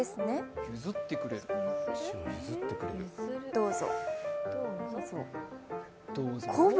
どうぞ。